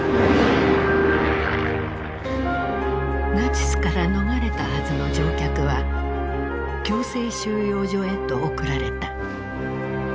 ナチスから逃れたはずの乗客は強制収容所へと送られた。